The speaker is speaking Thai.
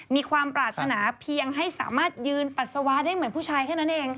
มีความปรารถนาเพียงให้สามารถยืนปัสสาวะได้เหมือนผู้ชายแค่นั้นเอง